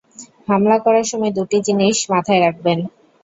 হামলা করার সময় দুটো জিনিস মাথায় রাখবেন।